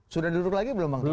sudah duduk lagi belum bang